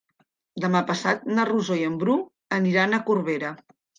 Demà passat na Rosó i en Bru aniran a Corbera.